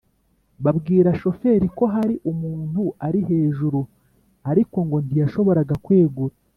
babwira shoferi ko hari umuntu ari hejuru ariko ngo ntiyashoboraga kwegura